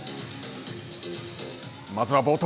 まずは冒頭。